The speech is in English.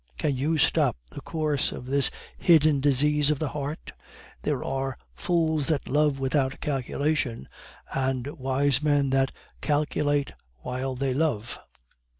Can you stop the course of this 'hidden disease of the heart'? There are fools that love without calculation and wise men that calculate while they love."